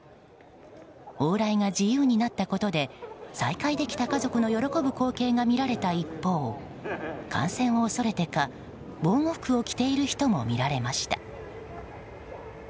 往来が自由になったことで再会できた家族の喜ぶ光景が見られた一方、感染を恐れてか防護服を着ている人も見られました。